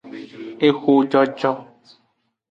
Ehojojo.